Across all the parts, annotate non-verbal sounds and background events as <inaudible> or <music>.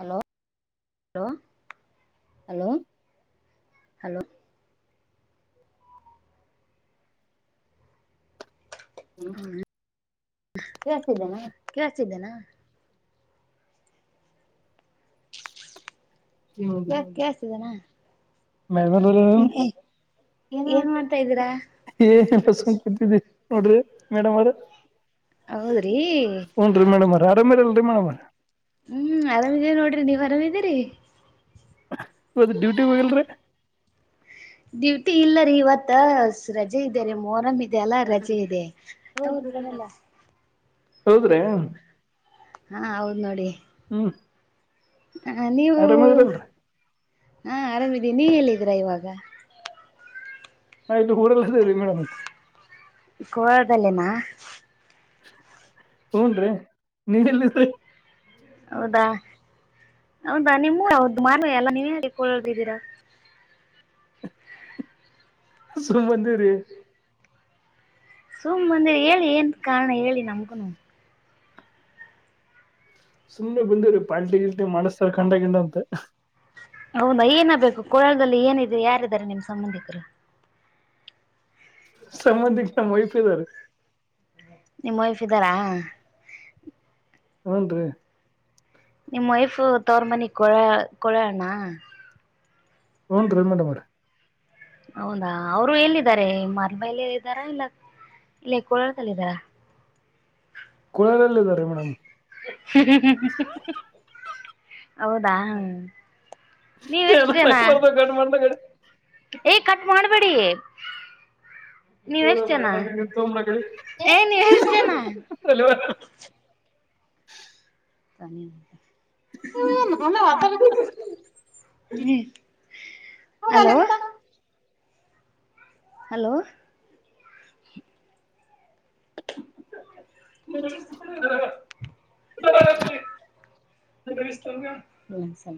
Hello hello hello hello ಹ್ಮ ಕೇಳ್ತಿದ್ದೇನಾ ಕೇಳಸಿದ್ದೇನಾ <inaudible> ಕೇಳಿಸಿದೆ ನಾ ಏ ಏನು ಮಾಡ್ತಿದ್ದೀಯಾ? ಏನಿಲ್ಲ ಸುಮ್ನೆ ಕೂತಿ ನೋಡ್ರಿ ಮೇಡಮ್ ಅವ್ರ ಹೌದ್ರಿ ಹ್ಞ ರೀ ಮೇಡಮರೆ ಆರಾಮ್ ಇಲ್ರಿ ಮೇಡಮರ ಹ್ಮ್ ಆರಾಮ್ ಇದೀ ನೋಡ್ರಿ ನೀವ್ ಅರಾಮಿದೀರಿ ಇದ ಡ್ಯೂಟಿ ಹೋಗಿಲ್ರಿ ಡ್ಯೂಟಿ ಇಲ್ಲ ರೀ ಇವತ್ತ ರಜೆ ಇದ್ದಾರೆ ಮೊಹರಂ ಇದ್ ಎಲ್ಲ ರಜೆ ಇದೆ ಅವ್ರ ಬರಲ್ಲ. ಹೌದ್ರಿ ಹಾ ಹೌದ್ ನೋಡಿ. ಹ್ಮ್ ಹ ನೀವು ಆರಾಮದ್ರಲ್ರಿ ಹಾ ಆರಾಮಿದೀ ನೀವ್ ಎಲ್ಲಿದ್ದೀರಾ ಇವಾಗ. ನಾ ಇನ್ನು ಉರಲ್ ಇದಿರಿ ಮೇಡಮ್ ಅರೆ. ಕೊಳಲ್ದಲೆನ. ಹುನ್ರಿ ಇವ್ ಎಲಿದೀರ್ ಹೌದಾ ಹೌದಾ ನಿಮ್ಮೂರ್ ಯಾವ್ದು ಎಲ್ಲ ನೀವೇ ಹೊಳ್ಳದಿದ್ದೀರಾ. ಸು ಬಂದಿ ರೀ ಸುಮ್ ಅಂದ್ರೆ ಹೇಳಿ ಏನ್ ಕಾರ್ಣ ಹೇಳಿ ನಮ್ಗುನು. ಸುಮ್ನೆ ಬಂದಿವವ್ರೀ ಪಾರ್ಟಿ ಗಿಲ್ಟಿ ಮಾಡಸ್ತಾರ ಕಂಡ ಗಂಡ ಅಂತ ಹೌದಾ ಏನ ಬಬೇಕು ಕೋಳಳದಲ್ಲಿ ಏನಿದೆ ಯಾರಿದ್ದಾರೆ ನಿಮ್ ಸಂಬಂಧಿಕರು ಸಂಬಂಧಕ್ ನಮ್ಮ್ ವೈಫ ಇದಾರೆ ನಿಮ್ಮ್ ವೈಫ್ ಇದ್ದಾರಾ ಹುನ್ ರೀ ನಿಮ್ ವೈಫ್ ತೋವ್ರ್ ಮನಿ ಕೊಳ ಕೊಳ್ಯಣ. ಹುನ್ರಿ ಮೇಡಂ ಅರೆ. ಹೌದಾ ಅವ್ರು ಎಲ್ಲಿದ್ದಾರೆ ಇಗ್ ಮರ್ ಮೇಲೆಲ್ಲ ಇದಾರ ಇಲ್ಲ. ಇಲ್ಲೇ ಕೋಲಾರ್ದಲ್ಲಿದ್ದಾರ. ಕುಳದಲ್ ಇದ್ದಾರೆ ಮೇಡಮ್. ಹ ಹ ಹ ಹೌದಾ ನೀವ್ ಏ ಎಷ್ಟ್ಜನ ನಕ್ ಬರ್ದ ಗಡ್ ಮಾಡ್ದ ಏ ಕಟ್ ಮಾಡ್ ಬಡಿ ನೀವ್ ಎಷ್ಟ ಜನ ಏ ನೀವೆಷ್ಟ ಜನ. ಅಲುವ ತಾನೆ ಹ್ಮ ನಮ್ ಮನೆಲ್ ಆತರದಿಲ. ಹಲೋ ಹಲೋ <unintelligible> ನೀವೆಷ್ಟ್ <unintelligible> ಮೆಮ್ ಸಂ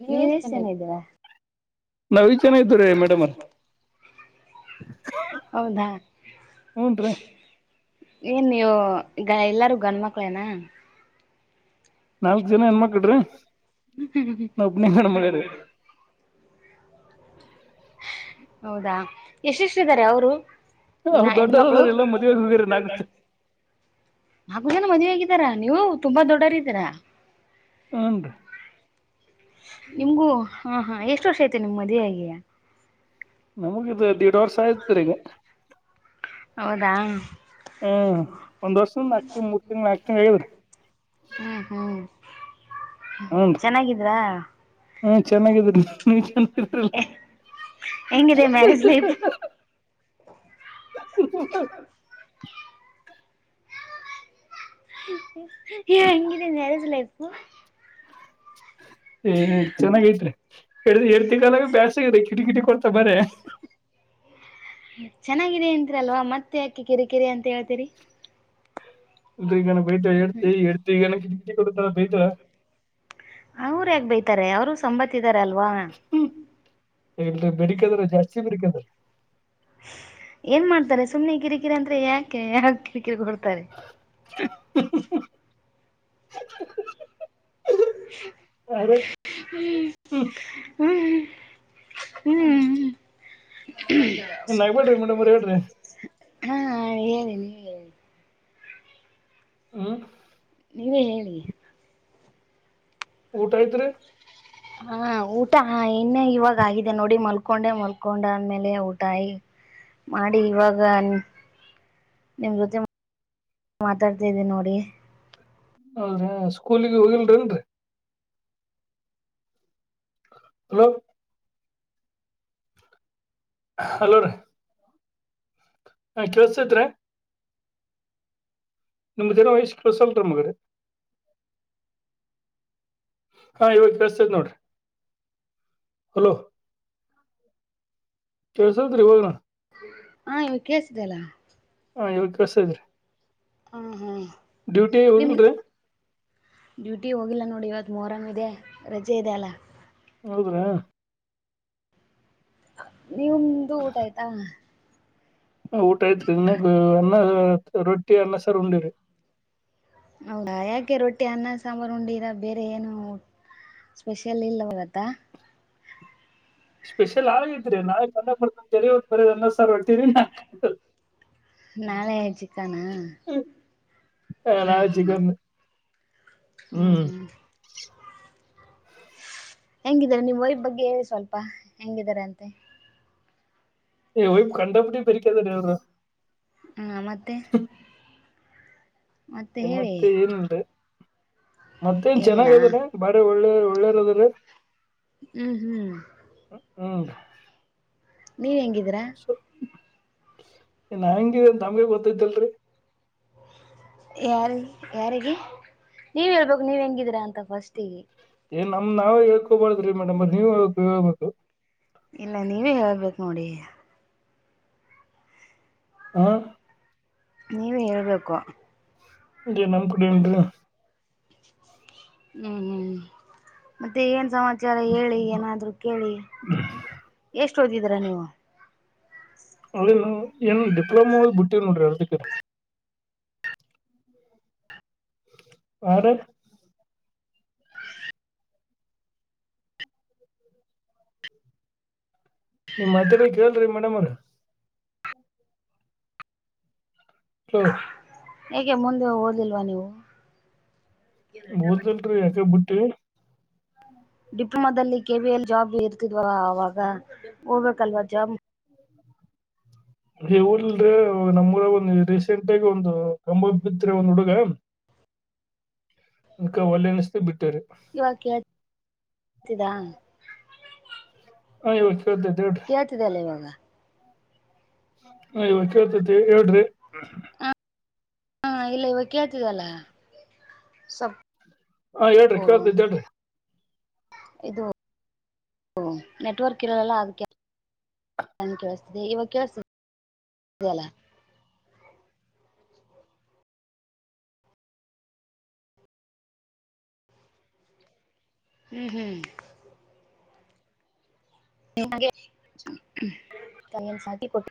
ನೀವ್ ಎಷ್ಟ್ ಜನ ಇದಿರಿ ಇದ್ದೀರಾ ನಾವ್ ಐದ್ ಜನ ಇದ್ರಿ ಮೇಡಮ್ ಅರೆ. ಹೌದಾ ಹ್ಞೂನ್ರಿ ಏನ್ ನೀವು ಈಗ ಎಲ್ಲಾರೂ ಗಂಡ್ ಮಕ್ಳೇನ. ನಾಲ್ಕ್ ಜನ ಹೆಣ್ಮಕ್ಳ್ರಿ ನಾ ಒಬ್ನೇ ಗಂಡ ಮಗ ರೀ <unintelligible> ಹೌದಾ ಎಷ್ಟ್ ಎಷ್ಟಿದರೆ ಅವ್ರು ನಾ ಅವ್ರು ದೊಡ್ಡೋರ್ ಹೆಣ್ಮಕ್ಳು ಅದಾರ್ ಎಲ್ಲ ಮದ್ವೆಗ್ ಹೋಗ್ಯಾರಿ ನಾಲ್ಕು ಜನ ಹಾಗು ಅದೇನ ಮದ್ವೆ ಆಗ್ ರಾ ನೀವು ತುಂಬಾ ದೊಡ್ಡರಿದ್ದೀರಾ. ಹುನ್ರಿ ನಿಮ್ಗೂ ಹಾ ಹಾ ಎಷ್ಟ ವರ್ಷ ಐತೆ ನಿಮ್ ಮದ್ವೇ ಆಗಿ. ನಮ್ಗಿದ ದೀಡ್ ವರ್ಷ ಆಯ್ತರಿ ಈಗ. ಹೌದಾ ಹ್ಮ್ ಒಂದ್ ವರ್ಷದ ನಾಲ್ಕ ತಿಂಗ್ ಮೂರ್ ತಿಂಗ್ಳ ನಾಲ್ಕು ತಿಂಗ್ಳ್ ಹಿರ್ರಿ. ಹ್ಮ್ ಹ್ಮ್ ಚೆನ್ನಾಗಿದ್ರಾ ಹ್ಮ್ ಚೆನ್ನಾಗಿದ್ರಿ ನೀವ್ ಚೆನ್ನಾಗ್ ಇದ್ರಲ್. ಹೆಂಗಿದೆ ಮ್ಯಾರೇಜ್ ಲೈಫ್ <unintelligible> ಹೆಂಗಿದೆ ಮ್ಯಾರೇಜ್ ಲೈಫು. <inaudible> ಏ ಚೆನ್ನಾಗೈತ್ರಿ ಎ ಎಡ್ತಿ ಕಾಲಾಗ್ ಬೇಸ್ ಆಗದೆ ಕಿಡಿ ಕಿಡಿ ಕೊಡ್ತ ಬರೆ. ಚೆನ್ನಾಗಿದೆ ಅಂತೀರಲ್ವಾ ಮತ್ತೆ ಯಾಕೆ ಕಿರಿ ಕಿರಿ ಅಂತ ಹೇಳ್ತೀರಿ. ಇಲ್ರಿ ಈಗ ನಾ ಬೈತಿ ಎಡ್ತಿ ಎಡ್ತಿ ಈಗನ ಕಿಟ್ ಕಿಟಕಿ ಕೊಡ್ತಾ ನಾ ಬೈದ್ರ. ಅವರು ಯಾಕ ಬೈತಾರೆ ಅವರು ಸಂಬತ್ ಇದ್ದಾರ ಅಲ್ವಾ ಬಡಕದ್ರ ಜಾಸ್ತಿ ಬೆರ್ಕದ್ರ ಏನ್ ಮಾಡ್ತಾರೆ ಸುಮ್ನೆ ಕಿರಿಕಿರಿ ಅಂದ್ರೆ ಯಾಕೆ ಯಾಕ ಕಿರಿಕಿರಿ ಕೊಡ್ತಾರೆ <unintelligible> <inaudible> ಅರೆ ಹ್ಮ ಹ್ಮ್ ಹ್ಮ್ ನಾಗ್ಬೇಡ್ರಿ ಮೇಡಮ್ ಅವ್ರ ಹೇಳ್ರಿ ಹಾ ಹೇಳಿ ನೀವ ಹೇಳಿ ಹ್ಮ ನೀವೇ ಹೇಳಿ ಊಟ ಆತ್ರಿ ಹಾ ಊಟ ಇನ್ನೆ ಇವಾಗ ಆಗಿದೆ ನೋಡಿ ಮಲ್ಕೊಂಡೆ ಮಲ್ಕೊಂಡ ಆದ್ಮೇಲೆ ಊಟ ಆ ಮಾಡಿ ಇವಾಗ ನಿಮ್ ಜೊತೆ ಮಾತಾಡತ್ತಿದ್ದಿ ನೋಡಿ ಹಾಹಾ ಸ್ಕೂಲಿಗೆ ಹೋಗಿಲ್ರಿನ್ರರಿ. ಹಲೋ ಹಲೋ ರೀ ಹ ಕೇಳಸತೈತಾರೀ ನಿಮ ಜೋಡ ವೈಸ್ ಕೇಳಿಸುವಂತ ನಮಗ್ರಿ. ಹಾ ಇವಾಗ ಕಸ್ತತೈತ್ ನೋಡ್ರಿ ಹಲೋ ಕೆಳಸವತ್ <unintelligible> ಹಾ ಇವ ಕೇಳಸಿದಲ್ಲಾ ಹಾ ಇವಾಗ ಕೇಳಸದ್ರೀ ಹ್ಮ್ ಹ್ಮ್ ಡ್ಯೂಟಿ ಹೋಗಲ್ರಿ ಡ್ಯೂಟಿ ಹೋಗಿಲ್ಲ ನೋಡಿ ಇವತ್ತು ಮೊಹರಂ ಇದೆ ರಜೆ ಇದೆ ಅಲ್ಲಾ. ಹೌದ್ರಾ. ನಿಮ್ಮದು ಊಟಾ ಆಯ್ತಾ ಊಟ ಐತ್ ಇನ್ನಗ್ ಅನ್ನ ರೊಟ್ಟಿ ಅನ್ನಸಾರ್ ಉಂಡರಿ ಹೌದಾ ಯಾಕೆ ರೊಟ್ಟಿ ಅನ್ನ ಸಾಂಬಾರು ಉಂಡಿರ ಬೇರೆ ಏನು ಸ್ಪೆಷಲ್ ಇಲ್ಲ ಇಗತ್ತ ಸ್ಪೆಷಲ್ ಆಗಿದ್ರ ನಾಳಿಗ್ ಪಂಡರಾಪುರಕ್ ಹೊಂಟಿವ್ರಿ ಬರಿ ಇವತ್ ಅನ್ನ್ ಸಾರ್ ರೊಟ್ಟಿರಿ ನಾಕ ನಾಳೆ ಆ ಚಿಕನಾ ಹ ಹ್ಮ್ ನಾಳೆ ಹ್ಮ್ ಚಿಕನ್ ಹ್ಮ್ ಹೆಂಗಿದೇ ನಿಮ್ಮ ವೈಫ್ ಬಗ್ಗೆ ಹೇಳಿ ಸ್ವಲ್ಪ ಹೆಂಗಿದಿದ್ದಾರಂತೆ. ಏ ವೈಫ್ ಕಂಡಪಟ್ಟಿ ಬೆರೀಕ ಅದಾರಿ ಅವರು ಹ್ಞ ಮೆತ್ತೆ ಮತ್ತೆ ಏನ್ ಇಲ್ರೀ ಮತ್ತೇನ್ ಏನಿಲ್ಲ ಚೆನ್ನಾಗ ಅದ್ರೀ ಬಾರಿ ಒಳ್ಳೆ ಒಳ್ಳೇರ್ ಅದಾರೀ ಹ್ಮ್ ಹ್ಮ್ ಹ್ಮ ನೀವ ಹೆಂಗಿದೀರಾ ನಾ ಹೆಂಗ ತಮ್ಗೆ ಗೊತ್ತ್ದಲ್ರಿ ಯಾರಿ ಯಾರಿಗ ನೀವ ಹೇಳ್ಬೇಕು ನೀವ್ ಹೆಂಗಿದೀರಾ ಅಂತ ಫಸ್ಟಿಗೆ ಏನ್ ನಮ್ ನಾವೇ ಹೇಕೋಬಾರುದ್ರೀ ಮೇಡಮ್ ನೀವ ಹೇ ಹೇಳ್ಬೇಕು. ಇಲ್ಲ ನೀವೇ ಹೇಳ್ಬೇಕ್ ನೋಡಿ ಹಾ ನೀವ ಹೇಳ್ಬೇಕು ಇೇ ನಮ್ಮ್ ಕಡ ಉಟ ಹ್ಮ್ ಹ್ಮ್ ಮತ್ತೆ ಏನ್ ಸಮಾಚಾರ ಹೇಳಿ ಏನಾದ್ರು ಕೇಳಿ ಎಷ್ಟ ಓದಿದೀರಾ ನೀವು ಅ ಏನ್ ಡಿಪ್ಲೊಮಾವ ಬಿಟ್ಟಿ ನೋಡ್ರಿ ಇರ್ದಕ್ಕ ಯ ನಿಮ್ ಮಾತ್ತರ ಕೇಳ್ರಿ ಮೇಡಮ್ ಅವ್ರ ಹ ಹಏಗೆೆ ಮುಂದೆ ಓದಿಲ್ವಾ ನೀವು ಹಓದಲ್ರಿರಿ ಯಾಕ ಬಿಟ್ಟು ಡಿಪ್ಲೊಮಾದಲ್ಲಿ ಕೆ ಬಿ ಎಲ್ ಜಾಬ್ ಇರ್ತಿದ್ವ ಆವಾಗ ಹೋಗ್ಬೇಕಲ್ವಾ ಜಾಬ್ ಊಲ್ರರಿ ನಮ್ಮೂರ ಒಂದ ರೀಸೆಂಟ್ಗಿ ಒಂದು ಕಂಬ ಬಿತ್ತ ಒಂದ್ ಹುಡುಗಾ ಅ ಒಳ್ಳೆ ಅನಿಸ್ತ ಬಿಟ್ಟು ಇವಾಗ ಕೇತತಿದಾ ಹ ಇವತ್ತು ಕೇಳ್ತಿದಲ್ಲ ಇವಾಗ ಹ ಇವಾಗ ಕೇಳ್ತೇತಿ ಹೇಳ್ರಿ ಹಾ ಇಲ್ಲ ಇವ ಕೇಳ್ತಿದಲ್ಲ ಸ್ ಹಾ ಹೇಳ್ರಿ ಕೇೇಳತ ಇದ್ದ ಹೇಳ್ರಿ ಇದು ನೆಟ್ವರ್ಕ್ ಇರಲ್ಲಲ್ಲ ಅದಕ್ಕೆ ನನ್ ಕೇಳಿಸ್ತಿದೆ ಇವ ಕೇಳತ ಹ್ಮ್ ಹ್ಮ್ ಹಾಗೆ ಕಯನ್ನು ಸಾಟಿಟ್ಟ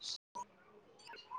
<unintelligible>